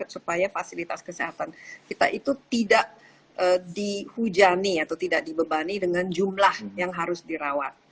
supaya fasilitas kesehatan kita itu tidak dihujani atau tidak dibebani dengan jumlah yang harus dirawat